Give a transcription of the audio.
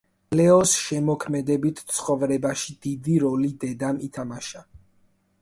ლეოს შემოქმედებით ცხოვრებაში დიდი როლი დედამ ითამაშა.